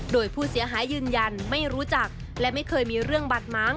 โดยผู้เสียหายยืนยันไม่รู้จักและไม่เคยมีเรื่องบาดม้าง